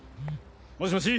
もしもし。